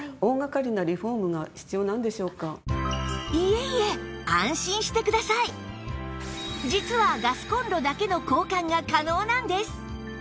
いえいえ実はガスコンロだけの交換が可能なんです！